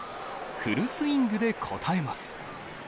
フルスイングで応えます。